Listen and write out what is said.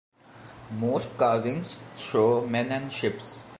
Most carvings show men and ships.